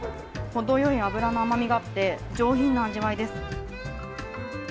程よい脂の甘みがあって、上品な味わいです。